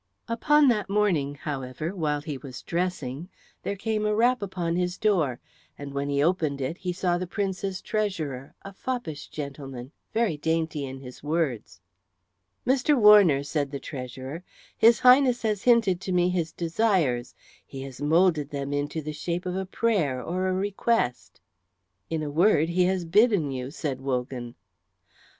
Upon that morning, however, while he was dressing, there came a rap upon his door, and when he opened it he saw the Prince's treasurer, a foppish gentleman, very dainty in his words. "Mr. Warner," said the treasurer, "his Highness has hinted to me his desires; he has moulded them into the shape of a prayer or a request." "In a word, he has bidden you," said Wogan.